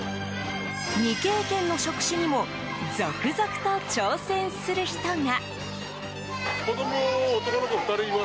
未経験の職種にも続々と挑戦する人が。